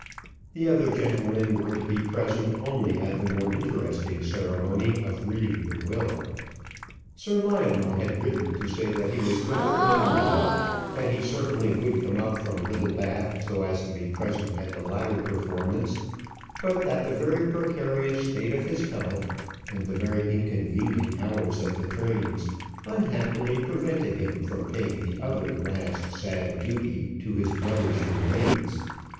The other gentlemen were to be present only at the more interesting ceremony of reading the will. Sir Lionel had written to say that he was rather unwell; that he certainly would come up from Littlebath so as to be present at the latter performance; but that the very precarious state of his health, and the very inconvenient hours of the trains, unhappily prevented him from paying the other last sad duty to his brother's remains.